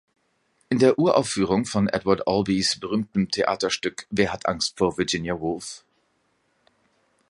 In der Uraufführung von Edward Albees berühmtem Theaterstück "Wer hat Angst vor Virginia Woolf?